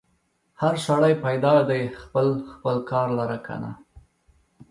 هر سړی پیدا دی خپل خپل کار لره کنه.